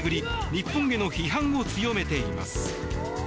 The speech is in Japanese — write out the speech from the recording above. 日本への批判を強めています。